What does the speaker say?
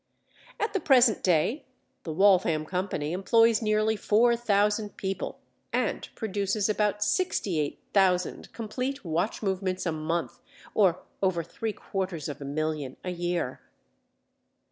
At the present day, the Waltham Company employs nearly four thousand people and produces about sixty eight thousand complete watch movements a month, or over three quarters of a million a year.